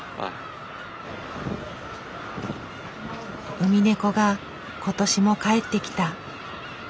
ウミネコが今年も帰ってきた。